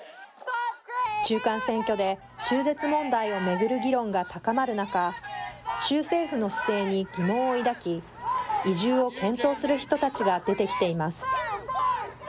中間選挙で中絶問題を巡る議論が高まる中、州政府の姿勢に疑問を抱き、移住を検討する人たちが出てきています。